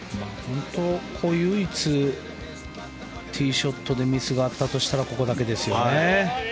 唯一ティーショットでミスがあったとしたらここだけですよね。